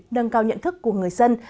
nâng cao nhận thức của người dân